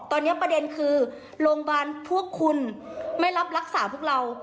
ตอนนี้ประเด็นคือโรงพยาบาลพวกคุณไม่รับรักษาพวกเรา